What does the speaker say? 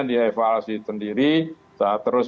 di evaluasi sendiri terus